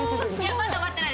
まだ終わってない。